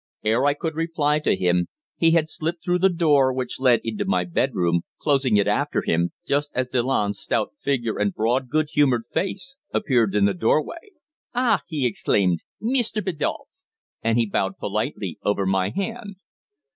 Ere I could reply to him he had slipped through the door which led into my bedroom, closing it after him, just as Delanne's stout figure and broad, good humoured face appeared in the doorway. "Ah!" he exclaimed, "Meester Biddulph!" and he bowed politely over my hand.